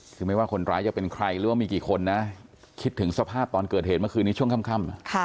คือไม่ว่าคนร้ายจะเป็นใครหรือว่ามีกี่คนนะคิดถึงสภาพตอนเกิดเหตุเมื่อคืนนี้ช่วงค่ำ